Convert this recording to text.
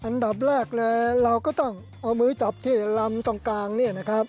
อันดับแรกเลยเราก็ต้องเอามือจับที่ลำตรงกลางเนี่ยนะครับ